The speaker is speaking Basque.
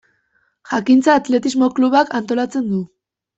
Jakintza Atletismo Klubak antolatzen du.